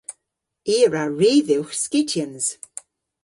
I a wra ri dhywgh skityans.